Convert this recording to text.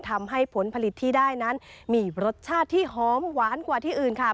ผลผลิตที่ได้นั้นมีรสชาติที่หอมหวานกว่าที่อื่นค่ะ